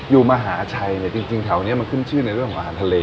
มหาชัยเนี่ยจริงแถวนี้มันขึ้นชื่อในเรื่องของอาหารทะเล